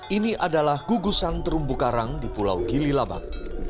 ini adalah gugusan terumbu karang di pulau gililabak